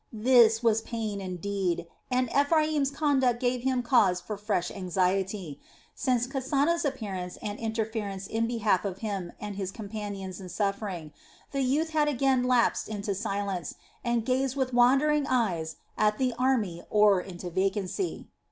This was pain indeed, and Ephraim's conduct gave him cause for fresh anxiety; since Kasana's appearance and interference in behalf of him and his companions in suffering, the youth had again lapsed into silence and gazed with wandering eyes at the army or into vacancy.